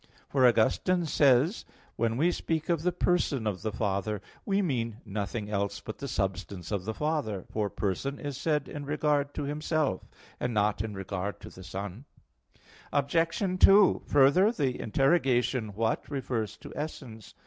For Augustine says (De Trin. vii, 6): "When we speak of the person of the Father, we mean nothing else but the substance of the Father, for person is said in regard to Himself, and not in regard to the Son." Obj. 2: Further, the interrogation "What?" refers to essence.